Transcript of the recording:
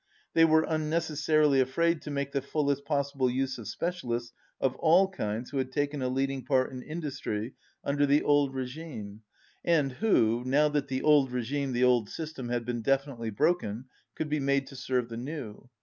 They were unnecessarily afraid to make the fullest pos sible use of specialists of all kinds who had taken a leading part in industry under the old regime 162 and who, now that the old regime, the old system, had been definitely broken, could be made to serve the new.